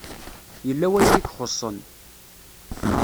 Yella wayen i ixuṣṣen.